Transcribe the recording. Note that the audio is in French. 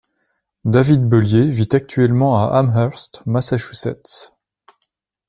David Bollier vit actuellement à Amherst, Massachusetts.